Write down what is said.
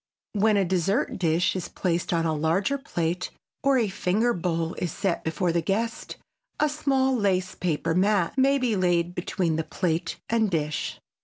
When a dessert dish is placed on a larger plate, or a finger bowl is set before the guest, a small lace paper mat may be laid between plate and dish.